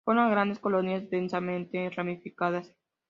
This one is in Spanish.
Forma grandes colonias densamente ramificadas.